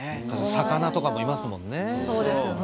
魚とかもいますもんね。